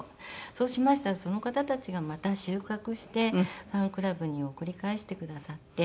そうしましたらその方たちがまた収穫してファンクラブに送り返してくださって。